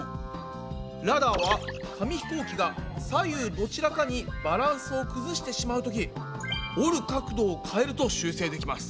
ラダーは紙ひこうきが左右どちらかにバランスを崩してしまうとき折る角度を変えると修正できます。